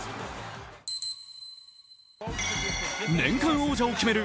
年間王者を決める